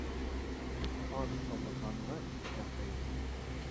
Ат абынғанға ишәк ғәйепле.